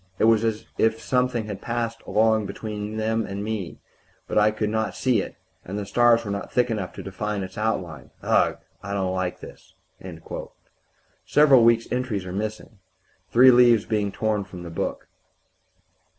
It was as if something had passed along between me and them; but I could not see it, and the stars were not thick enough to define its outline. Ugh! I don't like this. ..." Several weeks' entries are missing, three leaves being torn from the book.